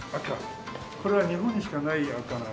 これは日本にしかない赤なので。